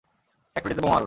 ফ্যাক্টরিটাতে বোমা মারুন।